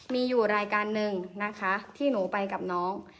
มีอยู่รายการหนึ่งนะคะที่หนูไปกับน้อง